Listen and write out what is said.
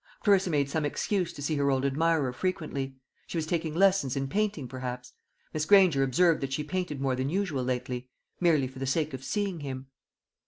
Clarissa made some excuse to see her old admirer frequently. She was taking lessons in painting, perhaps. Miss Granger observed that she painted more than usual lately merely for the sake of seeing him.